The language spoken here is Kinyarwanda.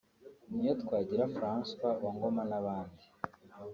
Niyotwagira Francois wa Ngoma n’abandi